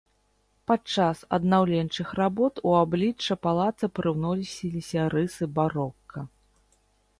Падчас аднаўленчых работ у аблічча палаца прыўносіліся рысы барока.